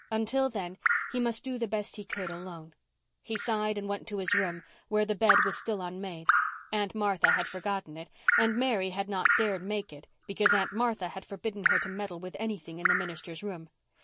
Until then, he must do the best he could alone. He sighed and went to his room, where the bed was still unmade. Aunt Martha had forgotten it, and Mary had not dared to make it because Aunt Martha had forbidden her to meddle with anything in the minister's room.